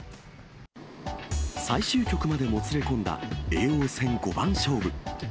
最終局までもつれ込んだ叡王戦五番勝負。